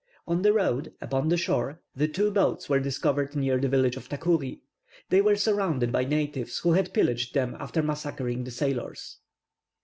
On the road, upon the shore, the two boats were discovered near the village of Tacoury. They were surrounded by natives, who had pillaged them after massacring the sailors.